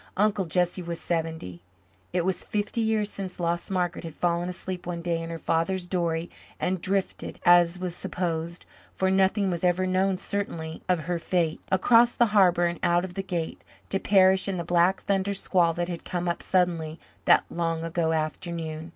Uncle Jesse was seventy; it was fifty years since lost Margaret had fallen asleep one day in her father's dory and drifted as was supposed, for nothing was ever known certainly of her fate across the harbour and out of the Gate, to perish in the black thunder squall that had come up suddenly that long ago afternoon.